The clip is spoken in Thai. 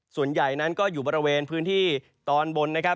ส่วนใหญ่นั้นก็อยู่บริเวณพื้นที่ตอนบนนะครับ